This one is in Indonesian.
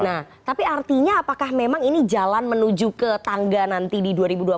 nah tapi artinya apakah memang ini jalan menuju ke tangga nanti di dua ribu dua puluh empat